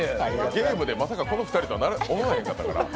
ゲームでまさかこの２人とは思わなかったから。